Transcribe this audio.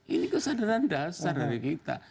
ini kesadaran dasar dari kita